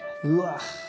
うわ。